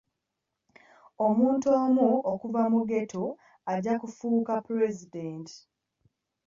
Omuntu omu okuva mu ghetto ajja kufuuka pulezidenti.